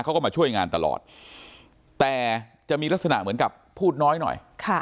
เขาก็มาช่วยงานตลอดแต่จะมีลักษณะเหมือนกับพูดน้อยหน่อย